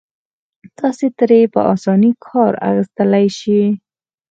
تاسې ترې په اسانۍ کار اخيستلای شئ.